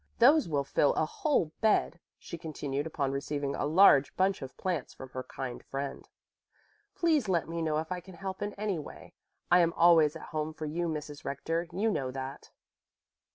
Those will fill a whole bed," she continued, upon receiving a large bunch of plants from her kind friend. "Please let me know if I can help in any way. I am always at home for you, Mrs. Rector, you know that."